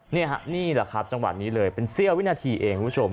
นี่แหละครับจังหวะนี้เลยเป็นเสี้ยววินาทีเองคุณผู้ชม